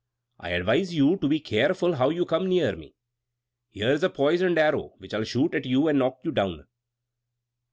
I advise you to be careful how you come near me. Here's a poisoned arrow, which I'll shoot at you and knock you down!"